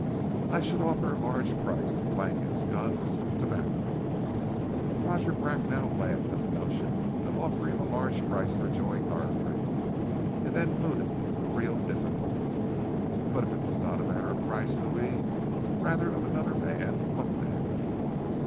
"I should offer a large price blankets, guns, tobac!" Roger Bracknell laughed at the notion of offering a large price for Joy Gargrave, and then mooted the real difficulty. "But if it was not a matter of price, Louis, rather of another man! What then?"